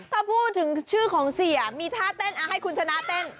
ถ้าพูดถึงชื่อของเสียมีท่าเต้นให้คุณชนะเต้น